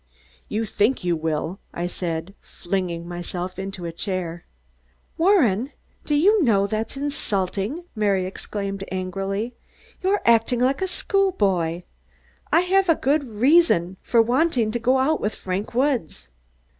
"You think you will," I said, flinging myself into a chair. "Warren! Do you know that's insulting?" Mary exclaimed angrily. "You're acting like a schoolboy. I have good reasons for wanting to go out with Frank Woods."